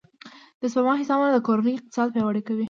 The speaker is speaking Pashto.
د سپما حسابونه د کورنۍ اقتصاد پیاوړی کوي.